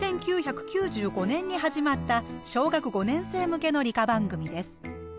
１９９５年に始まった小学５年生向けの理科番組です。